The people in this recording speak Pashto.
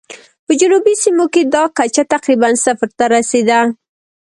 په جنوبي سیمو کې دا کچه تقریباً صفر ته رسېده.